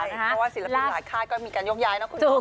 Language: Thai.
เพราะว่าศิลปินหลายค่ายก็มีการยกย้ายนะคุณโอมใช่หรือเปล่า